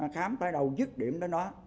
khám tới đâu dứt điểm đến đó